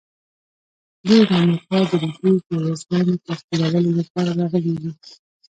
دوی د امريکا د لويديځ د يوه ځوان د تقديرولو لپاره راغلي وو.